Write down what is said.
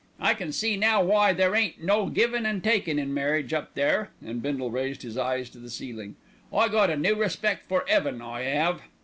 I can see now why there ain't no givin' an' takin' in marriage up there;" and Bindle raised his eyes to the ceiling. "I got a new respect for 'eaven, I 'ave.